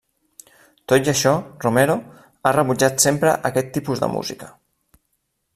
Tot i això, Romero, ha rebutjat sempre aquest tipus de música.